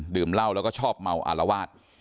เหล้าแล้วก็ชอบเมาอารวาส